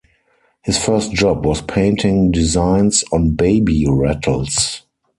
His first job was painting designs on baby rattles.